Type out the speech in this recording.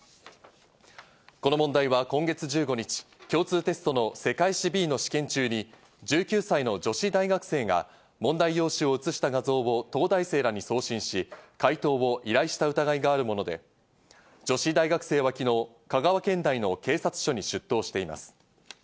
この問題は今月１５日、共通テストの世界史Ｂの試験中に、１９歳の女子大学生が問題用紙を写した画像を東大生らに送信し、解答を依頼した疑いがあるもので、女子大学生は昨日、香川県内の警察署に出頭しています。